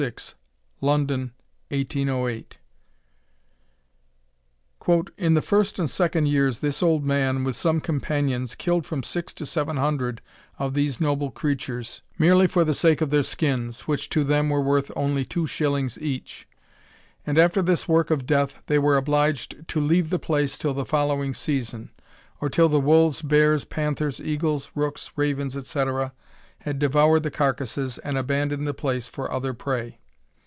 London, 1808.] "In the first and second years this old man, with some companions, killed from six to seven hundred of these noble creatures merely for the sake of their skins, which to them were worth only 2 shillings each; and after this 'work of death' they were obliged to leave the place till the following season, or till the wolves, bears, panthers, eagles, rooks, ravens, etc., had devoured the carcasses and abandoned the place for other prey.